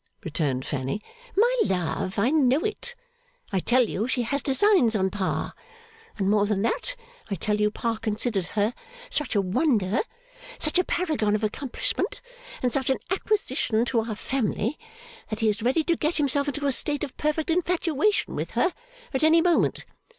retorted Fanny. 'My love, I know it. I tell you she has designs on Pa. And more than that, I tell you Pa considers her such a wonder, such a paragon of accomplishment, and such an acquisition to our family, that he is ready to get himself into a state of perfect infatuation with her at any moment.